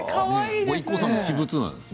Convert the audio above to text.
ＩＫＫＯさんの私物なんですね。